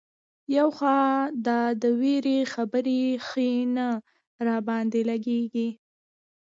یو خو دا د وېرې خبرې ښې نه را باندې لګېږي.